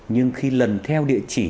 nhưng khi lần theo địa chỉ